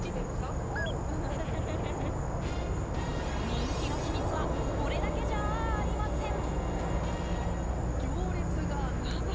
人気の秘密はこれだけじゃありません。